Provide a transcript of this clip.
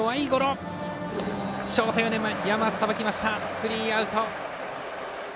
スリーアウト。